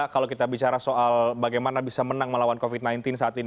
kasusnya sudah delapan belas